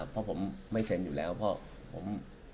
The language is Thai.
เพราะผมไม่เซ็นอยู่แล้วเพราะผม